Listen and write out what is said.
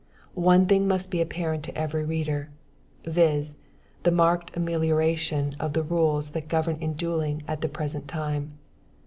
One thing must be apparent to every reader, viz., the marked amelioration of the rules that govern in duelling at the present time.